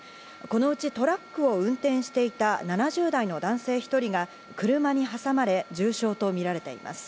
そのうちトラックを運転していた７０代の男性１人が車に挟まれ、重傷とみられています。